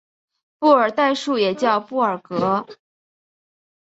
布尔代数也叫做布尔格。